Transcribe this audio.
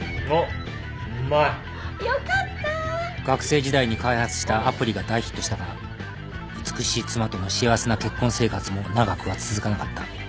学生時代に開発したアプリが大ヒットしたが美しい妻との幸せな結婚生活も長くは続かなかった。